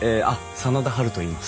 真田ハルといいます。